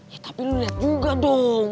ya tapi lo liat juga dong